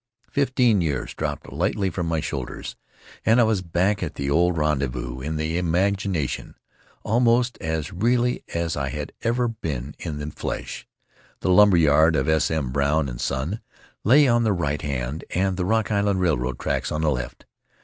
Fifteen years dropped lightly from my shoulders and I was back at the old rendezvous in the imagination, almost as really as I had ever been in the flesh. The lumber yard of S. M. Brown & Son lay on the right hand and the Rock Island Railroad tracks on the left.